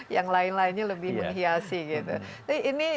yang lain lainnya lebih menghiasi gitu